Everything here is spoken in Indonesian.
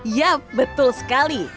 yap betul sekali